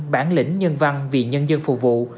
bản lĩnh nhân văn vì nhân dân phục vụ